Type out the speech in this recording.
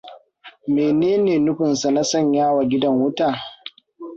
Mene ne nufinsa na sanya wa gidan wuta?